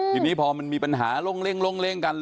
อย่างนี้มันมีปัญหาลงเลี้ยงกัน